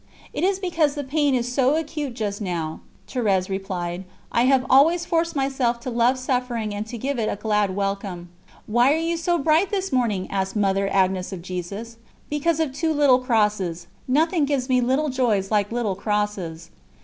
"It is because the pain is so acute just now," Thérèse replied; "I have always forced myself to love suffering and to give it a glad welcome." "Why are you so bright this morning?" asked Mother Agnes of Jesus. "Because of two little crosses. Nothing gives me 'little joys' like 'little crosses.'"